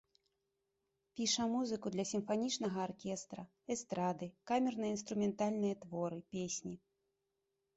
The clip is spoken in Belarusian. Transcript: Піша музыку для сімфанічнага аркестра, эстрады, камерна-інструментальныя творы, песні.